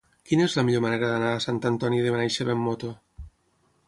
Quina és la millor manera d'anar a Sant Antoni de Benaixeve amb moto?